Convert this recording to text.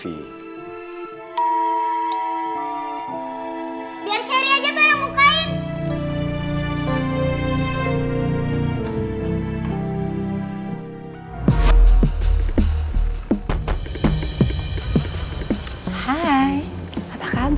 biar cherry aja bel yang mukain